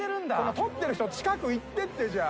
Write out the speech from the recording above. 「撮ってる人の近くに行ってってじゃあ」